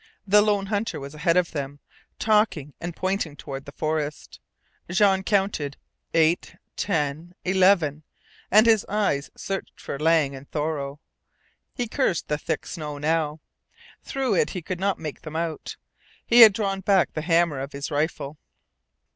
The lone hunter was ahead of them, talking and pointing toward the forest. Jean counted eight, ten, eleven and his eyes searched for Lang and Thoreau. He cursed the thick snow now. Through it he could not make them out. He had drawn back the hammer of his rifle.